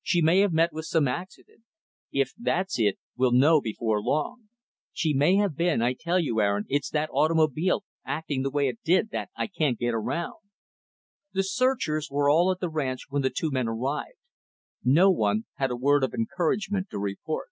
She may have met with some accident. If that's it, we'll know before long. She may have been I tell you, Aaron, it's that automobile acting the way it did that I can't get around." The searchers were all at the ranch when the two men arrived. No one had a word of encouragement to report.